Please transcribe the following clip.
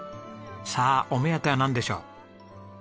さあお目当てはなんでしょう？